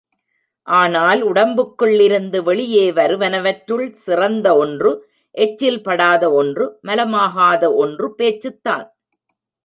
ஆனால் உடம்புக்குள் இருந்து வெளியே வருவனவற்றுள் சிறந்த ஒன்று, எச்சில் படாத ஒன்று, மலமாகாத ஒன்று பேச்சுத் தான்.